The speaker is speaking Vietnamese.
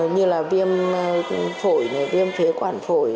như là viêm phổi viêm phế quản phổi